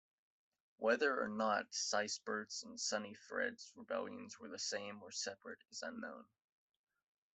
Whether or not Sisebert's and Suniefred's rebellions were the same or separate is unknown.